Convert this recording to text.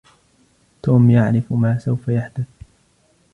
توم يعرف ما سوف يحدث.